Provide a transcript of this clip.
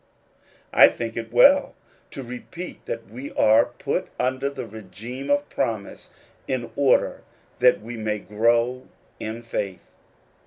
I think it well to repeat that we are put under the regime of promise in order that we may grow in faith.